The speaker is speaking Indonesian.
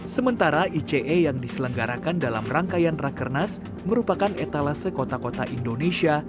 sementara ice yang diselenggarakan dalam rangkaian rakernas merupakan etalase kota kota indonesia